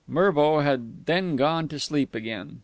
Mervo had then gone to sleep again.